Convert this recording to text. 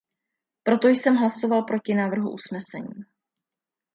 Proto jsem hlasoval proti návrhu usnesení.